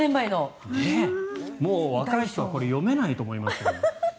もう若い人はこれは読めないと思いますよ。